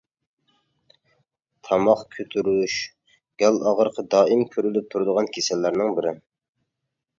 تاماق كۆتۈرۈش: گال ئاغرىقى دائىم كۆرۈلۈپ تۇرىدىغان كېسەللەرنىڭ بىرى.